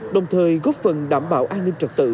đồng thời góp phần đảm bảo an ninh trật tự